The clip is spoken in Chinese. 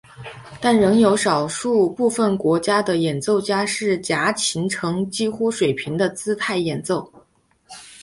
但仍有少部分国家的演奏家是夹琴呈几乎水平的姿态演奏。